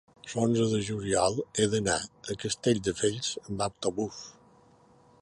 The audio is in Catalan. l'onze de juliol he d'anar a Castelldefels amb autobús.